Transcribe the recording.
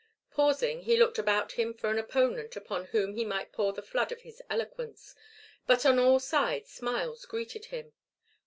Pausing, he looked about for an opponent upon whom he might pour the flood of his eloquence, but on all sides smiles greeted him.